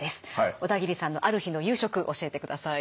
小田切さんのある日の夕食教えてください。